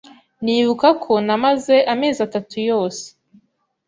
Nibuka ko namaze amezi atatu yose